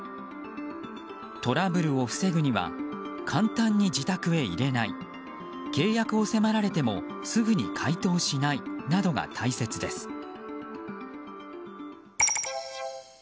トラブルを防ぐには簡単に自宅へ入れない契約を迫られてもすぐに回答しないなどが大切です。